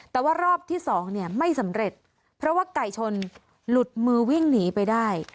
แต่ว่ารอบที่สองเนี่ยไม่สำเร็จเพราะว่าไก่ชนหลุดมือวิ่งหนีไปได้